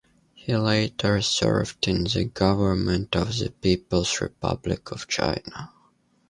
He later served in the government of the People's Republic of China.